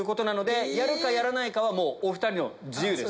やるかやらないかはお２人の自由です。